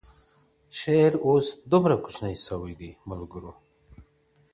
شعر اوس دومره کوچنی سوی دی ملگرو,